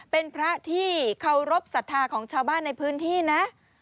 เป็นพระที่เคารพสัทธาของชาวบ้านในพื้นที่นะ